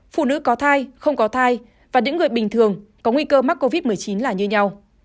phụ nữ có thai không có thai và những người bình thường có nguy cơ mắc covid một mươi chín là như nhau